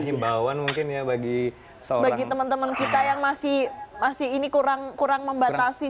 nyebawan mungkin ya bagi seorang teman teman kita yang masih masih ini kurang kurang membatasi